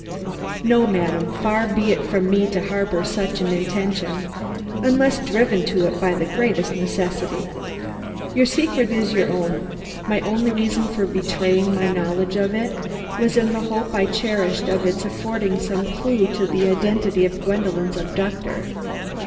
"No, madam; far be it from me to harbor such an intention unless driven to it by the greatest necessity. Your secret is your own; my only reason for betraying my knowledge of it was the hope I cherished of its affording us some clue to the identity of Gwendolen's abductor.